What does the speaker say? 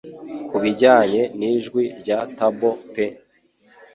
Kubijyanye nijwi rya tabor pe